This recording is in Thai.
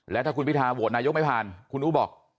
แล้วถ้าคุณพิทาโหวตนายกไม่ผ่านคุณอู้บอก